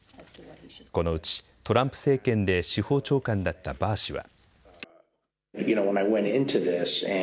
このうちトランプ政権で司法長官だったバー氏は。